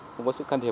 không có sự can thiệp